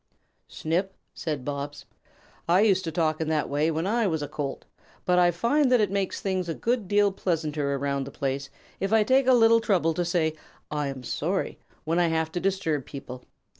"Snip," said Bobs, "I used to talk in that way when I was a Colt, but I find that it makes things a good deal pleasanter around the place if I take a little trouble to say 'I am sorry' when I have to disturb people.